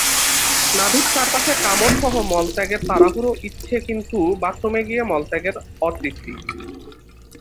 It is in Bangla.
নাভীর চারপাশে কামড়সহ মলত্যাগের তাড়াহুড়ো ইচ্ছে কিন্তু বাথরুমে গিয়ে মলত্যাগের অতৃপ্তি।